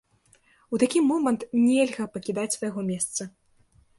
У такі момант нельга пакідаць свайго месца.